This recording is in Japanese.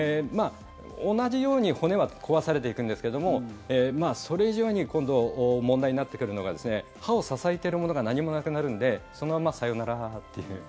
同じように骨は壊されていくんですけどもそれ以上に今度、問題になってくるのが歯を支えているものが何もなくなるんでそのままさよならっていう。